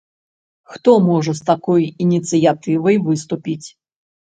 Хто можа з такой ініцыятывай выступіць?